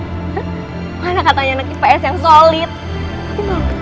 tidak ada yang bisa menguruskan diri gue